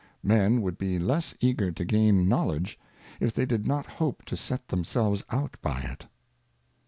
Men would be less eager to gain Knowledge, if they did not hope to set themselves out by it.